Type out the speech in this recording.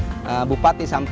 bupan bupan yang ada di sini